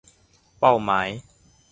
เป้าหมาย